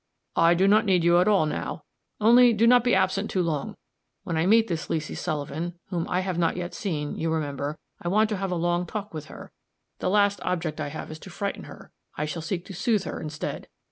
"I do not need you at all now; only, do not be absent too long. When I meet this Leesy Sullivan, whom I have not yet seen, you remember, I want a long talk with her. The last object I have is to frighten her; I shall seek to soothe her instead.